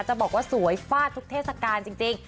จะบอกว่าสวยฟาดทุกเทศกาลจริง